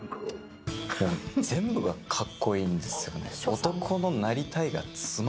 全部がかっこいいんですよね。